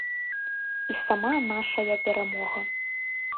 І сама нашая перамога.